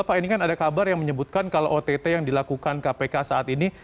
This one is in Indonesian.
pak ini kan ada kabar yang menyebutkan kalau ott yang dilakukan kpk saat ini